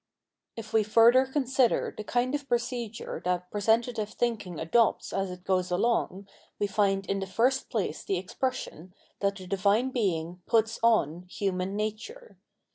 If we further consider the kind of procedure that pre ijgg Phenomenology of hlind sentative thiukiiig adopts as it goes along, we find^ in the first place the expression that the Divine Being "puts on" human nature.